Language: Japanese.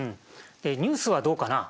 でニュースはどうかな？